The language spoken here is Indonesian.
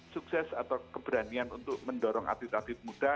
sukses atau keberanian untuk mendorong atlet atlet muda